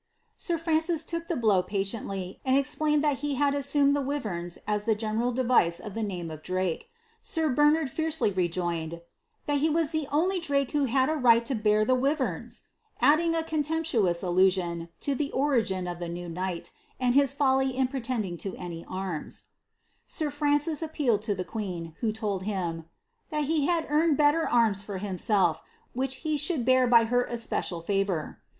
^ Sir Francis took the blow patiently, and explained that be had assumed the wiverns as the general device of the name of Drake. Sir Bernard fiercely rejoined, ^^ that he was the only Drake who had a right to bear the wiverns,'' adding a contemptuous allusion to the origin of the new knight, and his folly in pretending to any Sir Francis appealed to the queen, who told him^ ^^ that he had earned better arms for himself, which he should bear by her especial favour."